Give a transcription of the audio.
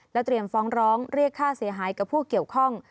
เตรียมฟ้องร้องเรียกค่าเสียหายกับผู้เกี่ยวข้อง